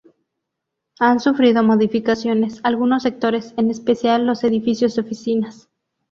Han sufrido modificaciones algunos sectores, en especial los edificios de oficinas.